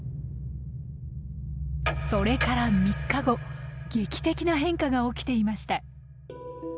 それから３日後劇的な変化が起きていました。